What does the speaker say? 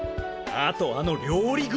あとあの料理熊！